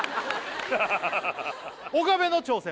岡部の挑戦